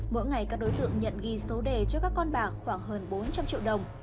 mỗi ngày các đối tượng nhận ghi số đề cho các con bạc khoảng hơn bốn trăm linh triệu đồng